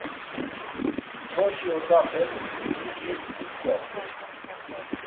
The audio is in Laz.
Boşi odapes mtuci si ç̌opi.